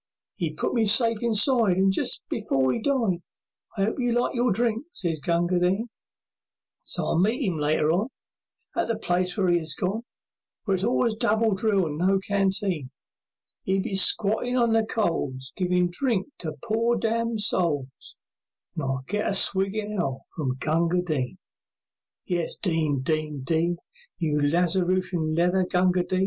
'E put me safe inside, And just before 'e died, "I 'ope you liked your drink," sez Gunga Din. So I'll see 'im later on, In the place where 'e is gone, Where it's always double drill and no canteen; 'E'll be squattin' on the coals, Givin' drink to poor damned souls, And I'll get a swig in hell from Gunga Din! And it's "Din! Din! Din!" You Lazarushian leather Gunga Din!